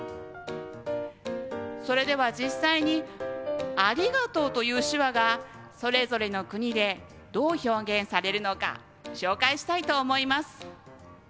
それでは実際に「ありがとう」という手話がそれぞれの国でどう表現されるのか紹介したいと思います。